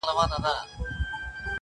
شكر چي ښكلا يې خوښــه ســوېده.